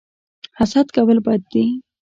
حسد کول بد دي